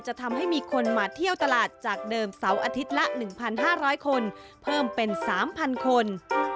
จะทำให้มีคนมาเที่ยวตลาดจากเดิมเสาร์อาทิตย์ละ๑๕๐๐คนเพิ่มเป็น๓๐๐คน